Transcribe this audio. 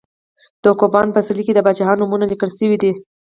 د کوپان په څلي کې د پاچاهانو نومونه لیکل شوي دي.